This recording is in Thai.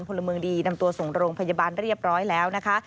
พลเมืองดีนำตัวส่งโรงพยาบาลเรียบร้อยแล้วนะคะ